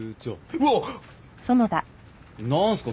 うわ！何すか？